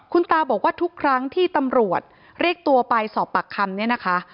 คุณตาบอกว่าทุกครั้งที่ตำรวจเรียกตัวไปสอบปากคำเนี่ยนะคะ